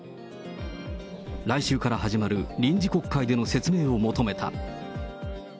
来週から始まる臨時国会での説明を求めた。